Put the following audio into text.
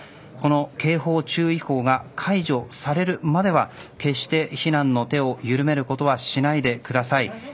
この警報、注意報が解除されるまでは決して避難の手を緩めることはしないでください。